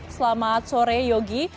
selamat sore yogi